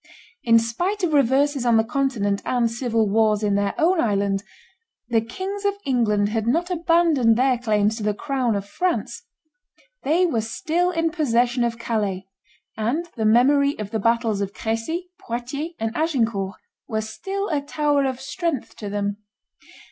In spite of reverses on the Continent and civil wars in their own island, the Kings of England had not abandoned their claims to the crown of France; they were still in possession of Calais; and the memory of the battles of Crecy, Poitiers, and Agincourt was still a tower of strength to them.